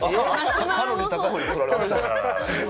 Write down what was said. カロリー高い方、取られました。